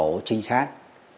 một tổ trinh sát